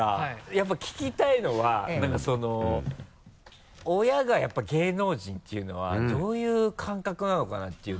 やっぱ聞きたいのは親がやっぱ芸能人っていうのはどういう感覚なのかなっていうね。